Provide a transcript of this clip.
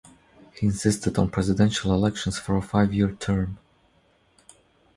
He insisted on presidential elections for a five-year term.